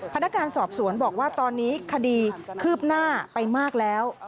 พนักงานสอบสวนบอกว่าตอนนี้คดีคืบหน้าไปมากแล้ว